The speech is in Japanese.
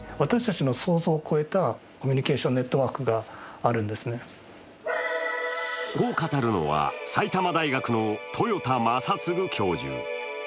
それはこう語るのは埼玉大学の豊田正嗣教授。